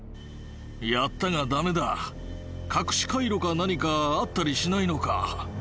やったがダメだ隠し回路か何かあったりしないのか？